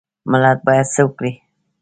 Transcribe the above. ملت باید څه وکړي؟